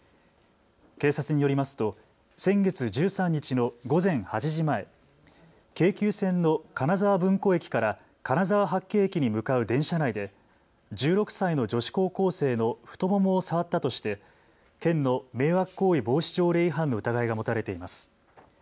警察によりますと先月１３日の午前８時前、京急線の金沢文庫駅から金沢八景駅に向かう電車内で１６歳の女子高校生の太ももを触ったとして、県の迷惑行為防止条例違反の疑いが持たれています。